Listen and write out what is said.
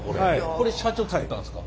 これ社長が作ったんですか？